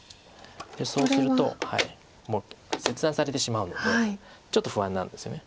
そうするともう切断されてしまうのでちょっと不安になるんですよね。